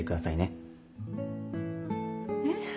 えっ？